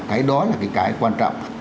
cái đó là cái quan trọng